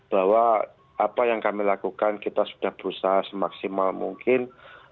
bahwa apa yang kami lakukan kita sudah berusaha semaksimal mungkin